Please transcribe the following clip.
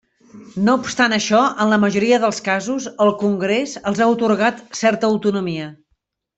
No obstant això, en la majoria dels casos, el Congrés els ha atorgat certa autonomia.